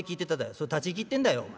「それ立ち聞きってんだよお前。